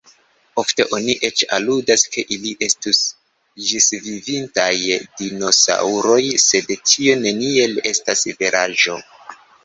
Ofte oni eĉ aludas ke ili estus ĝisvivintaj dinosaŭroj, sed tio neniel estas veraĵo.